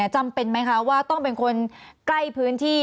จำเป็นไหมคะว่าต้องเป็นคนใกล้พื้นที่